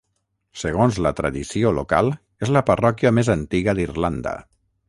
Segons la tradició local és la parròquia més antiga d'Irlanda.